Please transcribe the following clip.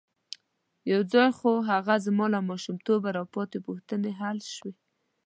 یو ځای خو هغه زما له ماشومتوبه را پاتې پوښتنې حل شوې.